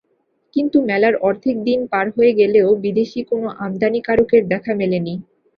কিন্তু মেলার অর্ধেক দিন পার হয়ে গেলেও বিদেশি কোনো আমদানিকারকের দেখা মেলেনি।